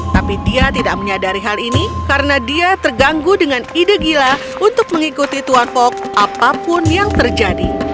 tapi dia tidak menyadari hal ini karena dia terganggu dengan ide gila untuk mengikuti tuan fok apapun yang terjadi